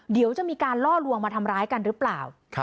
เดี๋ยวจะมีการล่อลวงมาทำร้ายกันหรือเปล่า